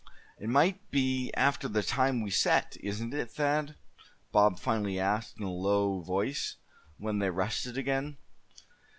"It must be after the time we set, isn't it, Thad?" Bob finally asked, in a low voice, when they rested again.